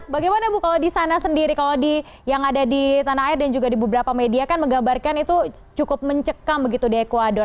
bagaimana bu kalau di sana sendiri kalau yang ada di tanah air dan juga di beberapa media kan menggambarkan itu cukup mencekam begitu di ecuador